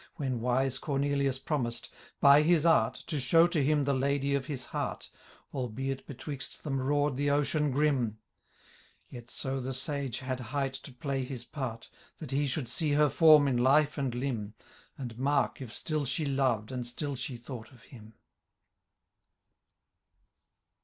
When wise Cornelius promised, by his art, To show to him the ladye of his heart. Albeit betMrixt them roar'd the ocean grmi ; Yet so the sage had hight to play his part. That he should see her form in life and limb. And mark, if still she loved, and still she thought of him.